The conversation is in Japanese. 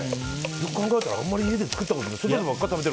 よく考えたらあんまり家で作ったことない。